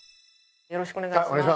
よろしくお願いします。